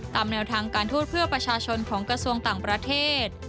ตามแนวทางการทูตเพื่อประชาชนของกระทรวงต่างประเทศ